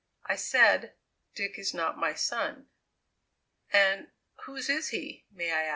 "I said Dick is not my son." "And whose is he may I ask?"